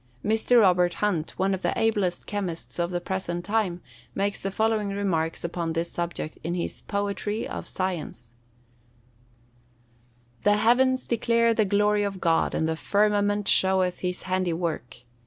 Mr. Robert Hunt, one of the ablest chemists of the present time, makes the following remarks upon this subject in his "Poetry of Science:" [Verse: "The heavens declare the glory of God: and the firmament showeth his handy work.